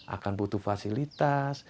akan butuh fasilitas